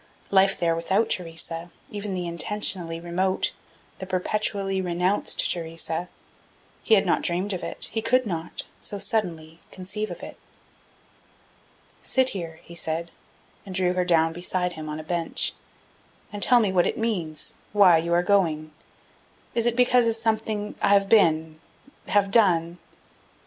Life there without Theresa, even the intentionally remote, the perpetually renounced Theresa he had not dreamed of it, he could not, so suddenly, conceive of it. "Sit here," he said, and drew her down beside him on a bench, "and tell me what it means, why you are going. Is it because of something that I have been have done?"